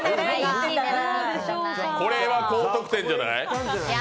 これは高得点じゃない？